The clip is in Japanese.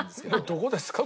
どこですか？